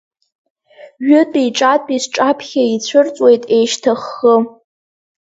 Жәытәи ҿатәи сҿаԥхьа ицәырҵуеит еишьҭаххы.